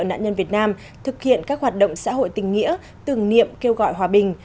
nạn nhân việt nam thực hiện các hoạt động xã hội tình nghĩa tưởng niệm kêu gọi hòa bình